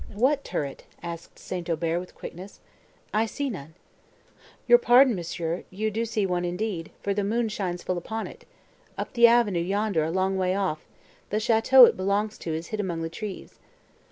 "What turret?" asked St. Aubert with quickness, "I see none." "Your pardon, monsieur, you do see one indeed, for the moon shines full upon it;—up the avenue yonder, a long way off; the château it belongs to is hid among the trees."